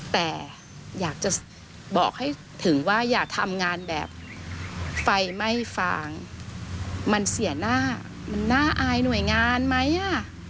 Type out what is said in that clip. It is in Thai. แต่อยากจะบอกให้ถึงว่าอย่าทำงานแบบไฟไหม้ฟางมันเสียหน้ามันน่าอายหน่วยงานไหมอ่ะ